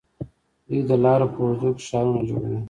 دوی د لارو په اوږدو کې ښارونه جوړوي.